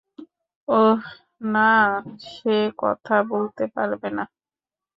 অহ, না, সে কথা বলতে পারবে না।